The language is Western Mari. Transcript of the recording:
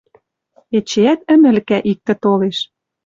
Эчеӓт ӹмӹлкӓ иктӹ толеш.